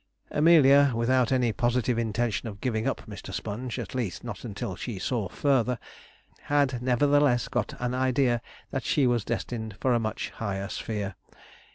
Amelia, without any positive intention of giving up Mr. Sponge, at least not until she saw further, had nevertheless got an idea that she was destined for a much higher sphere.